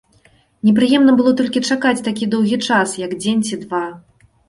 Непрыемна было толькі чакаць такі доўгі час, як дзень ці два.